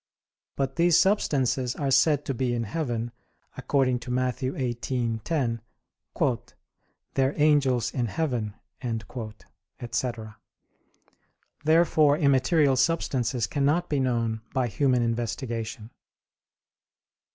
But these substances are said to be in heaven, according to Matt. 18:10, "Their angels in heaven," etc. Therefore immaterial substances cannot be known by human investigation.